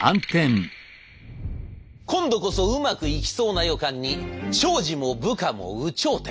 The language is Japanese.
今度こそうまくいきそうな予感に長司も部下も有頂天。